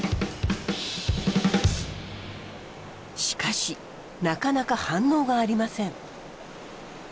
しかしなかなか反応がありません。